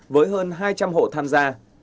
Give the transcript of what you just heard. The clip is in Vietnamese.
với hơn hai trăm linh hộ tham gia